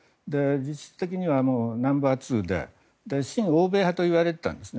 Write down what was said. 実質的にはナンバーツーで親欧米派といわれていたんです。